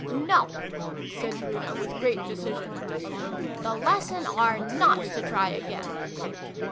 " No," said Bruno with great decision. " The Lesson are ' not to try again